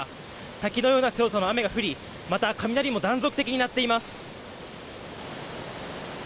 滝のような強さの雨が降り雷も断続的に鳴っています。